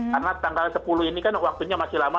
karena tanggal sepuluh ini kan waktunya masih lama